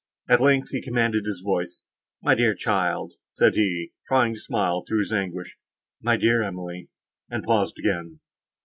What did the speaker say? At length he commanded his voice, "My dear child," said he, trying to smile through his anguish, "my dear Emily!"—and paused again.